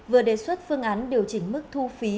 vừa đề xuất phương án điều chỉnh mức thu phí